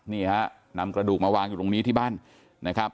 นี่ฮะนำกระดูกมาวางอยู่ตรงนี้ที่บ้านนะครับ